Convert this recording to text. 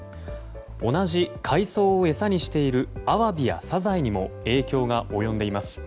同じ海藻を餌にしているアワビやサザエにも影響が及んでいます。